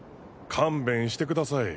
勘弁してください。